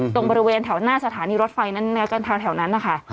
ตรงบริเวณแถวหน้าสถานีรถไฟนั้นแถวนั้นนะคะ